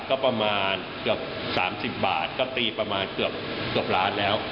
ก็ประมาณเกือบ๓๐บาทก็ตีประมาณเกือบล้านแล้ว